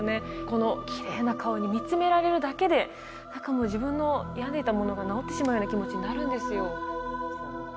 このきれいな顔に見つめられるだけで何かもう自分の病んでいたものが治ってしまうような気持ちになるんですよ